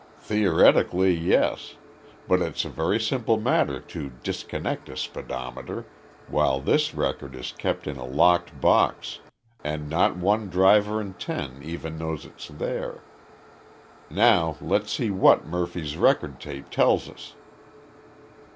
"Theoretically, yes. But it's a very simple matter to disconnect a speedometer, while this record is kept in a locked box and not one driver in ten even knows it's there. Now, let's see what Murphy's record tape tells us....